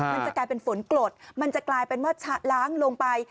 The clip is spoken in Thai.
มันจะกลายเป็นฝนกรดมันจะกลายเป็นว่าชะล้างลงไป